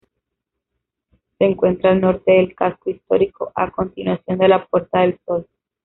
Se encuentra al norte del casco histórico, a continuación de la Puerta del Sol.